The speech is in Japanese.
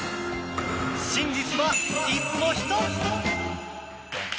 真実は、いつも１つ！